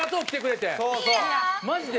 マジで？